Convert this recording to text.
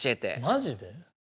マジで？